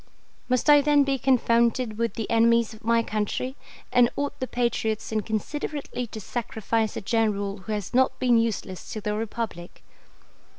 Must I then be confounded with the enemies of my country and ought the patriots inconsiderately to sacrifice a general who has not been useless to the Republic?